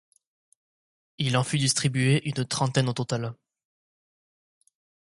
Il en fut distribué une trentaine au total.